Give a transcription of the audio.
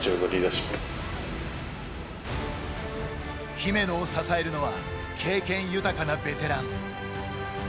姫野を支えるのは経験豊かなベテラン。